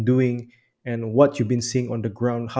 dan apa yang anda lihat di tanah